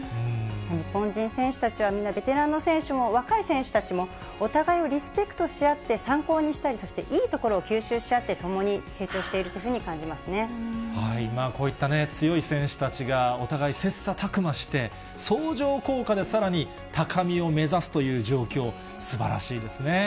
日本人選手たちは皆、ベテランの選手たちも、若い選手たちもお互いをリスペクトし合って参考にしたり、そしていいところを吸収し合って、共に成長しているというふうに感こういった強い選手たちが、お互い切さたく磨して、相乗効果でさらに高みを目指すという状況、すばらしいですね。